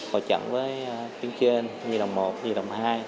hồi trận với tiến trên nhi đồng một nhi đồng hai